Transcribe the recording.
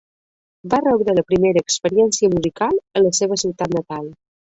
Va rebre la primera experiència musical a la seva ciutat natal.